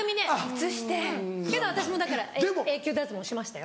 ・映して・けど私もうだから永久脱毛しましたよ。